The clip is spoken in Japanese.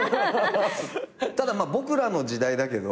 ただ『ボクらの時代』だけど。